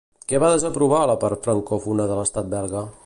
Què va desaprovar la part francòfona de l'estat belga?